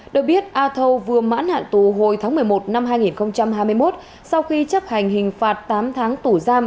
được biết a thâu vừa mãn hạn tù hồi tháng một mươi một năm hai nghìn hai mươi một sau khi chấp hành hình phạt tám tháng tù giam